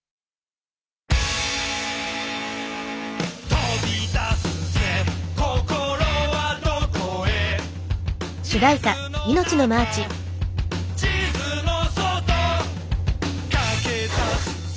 「飛び出すぜ心はどこへ」「水の中地図の外」「駆け出すぜ」